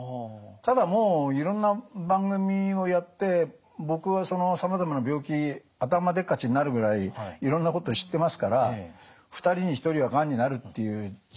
ただもういろんな番組をやって僕はさまざまな病気頭でっかちになるぐらいいろんなこと知ってますから２人に１人はがんになるっていう時代ですしね。